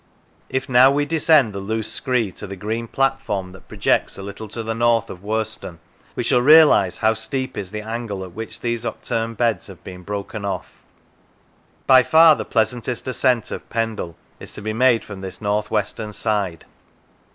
If now we descend the loose scree to the green platform that projects a little to the north of Worston, we shall realise how steep is the angle at which these upturned beds have been broken off. By far the pleasantest ascent of Pendle is to be made from this, the north western side.